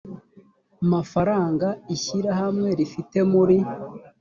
mafaranga ishyirahamwe rifite muri